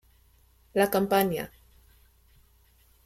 La campaña.